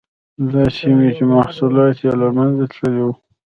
دا سیمې چې محصولات یې له منځه تللي وو.